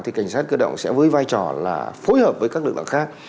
thì cảnh sát cơ động sẽ với vai trò là phối hợp với các lực lượng khác